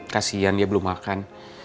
kasian dia belum makan